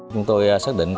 chúng tôi xác định